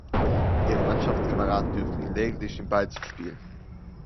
Ihre Mannschaftskameraden dürfen ihnen lediglich den Ball zuspielen.